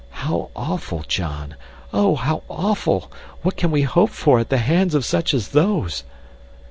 "How awful, John. Oh, how awful! What can we hope for at the hands of such as those?"